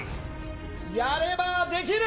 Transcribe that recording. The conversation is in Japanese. やればできる。